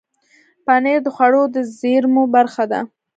پنېر د خوړو د زېرمو برخه ده.